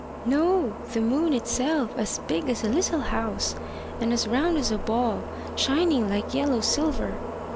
"No the moon itself, as big as a little house, and as round as a ball, shining like yellow silver.